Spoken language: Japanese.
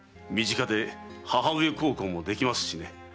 身近で母上孝行もできますしね。